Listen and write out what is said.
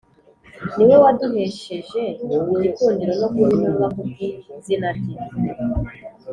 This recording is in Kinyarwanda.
Ni we waduhesheje igikundiro no kuba intumwa ku bw’izina rye